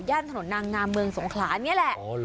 ถนนนางงามเมืองสงขลานี่แหละ